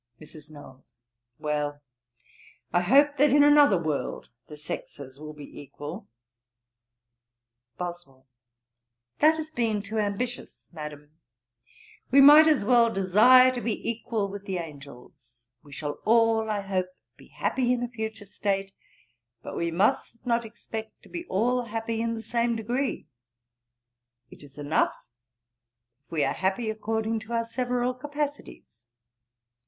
MRS. KNOWLES. 'Well, I hope that in another world the sexes will be equal.' BOSWELL. 'That is being too ambitious, Madam. We might as well desire to be equal with the angels. We shall all, I hope, be happy in a future state, but we must not expect to be all happy in the same degree. It is enough if we be happy according to our several capacities.